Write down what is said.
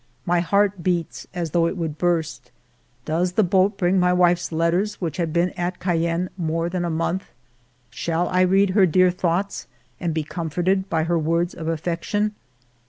My heart beats as though it would burst. Does the boat bring my wife's letters, which have been at Cayenne more than a month ? 9 130 FIVE YEARS OF MY LIFE Shall I read her dear thoughts and be comforted by her words of affection?